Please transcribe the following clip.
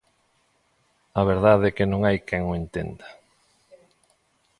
A verdade é que non hai quen o entenda.